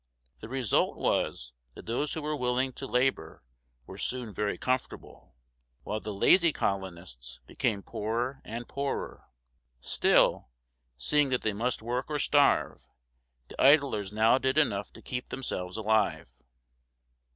The result was that those who were willing to labor were soon very comfortable, while the lazy colonists became poorer and poorer. Still, seeing that they must work or starve, the idlers now did enough to keep themselves alive.